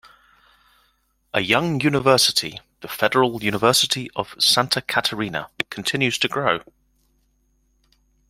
A young university, the Federal University of Santa Catarina continues to grow.